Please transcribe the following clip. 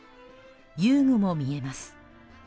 遊具も見えます。